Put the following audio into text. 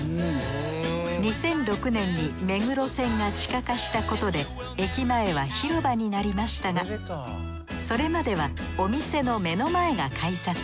２００６年に目黒線が地下化したことで駅前は広場になりましたがそれまではお店の目の前が改札。